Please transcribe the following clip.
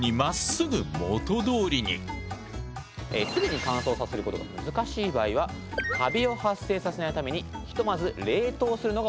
すぐに乾燥させることが難しい場合はカビを発生させないためにひとまず冷凍するのがオススメです。